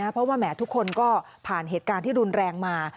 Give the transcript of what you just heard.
เพราะว่าแหมทุกคนก็ผ่านเหตุการณ์ที่รุนแรงมา